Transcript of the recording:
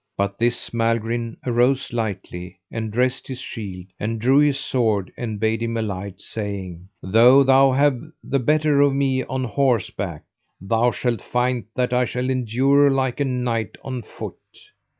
But this Malgrin arose lightly, and dressed his shield and drew his sword, and bade him alight, saying: Though thou have the better of me on horseback, thou shalt find that I shall endure like a knight on foot.